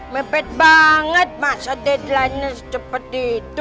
mepet banget masa deadline nya secepat itu